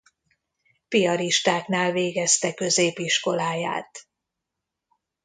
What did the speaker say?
Piaristáknál végezte középiskoláját.